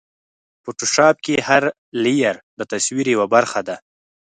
فوټوشاپ کې هر لېیر د تصور یوه برخه ده.